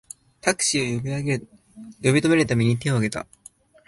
タクシーを呼び止めるために手をあげた